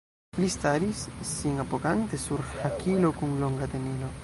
Li staris, sin apogante sur hakilo kun longa tenilo.